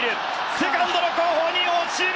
セカンドの後方に落ちる！